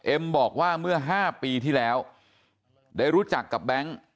บอกว่าเมื่อ๕ปีที่แล้วได้รู้จักกับแบงค์